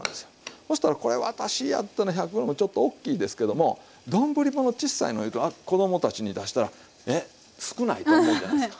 そしたらこれ私やったら１００ｇちょっとおっきいですけども丼物ちっさいの入れると子供たちに出したら「えっ少ない」と思うじゃないですか。